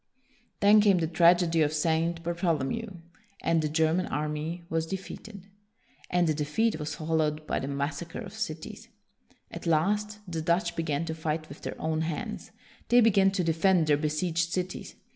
Then came the tragedy of St. Bartholomew, and the German army was defeated. And the de feat was followed by the massacre of cities. At last, the Dutch began to fight with their own hands. They began to defend their besieged cities.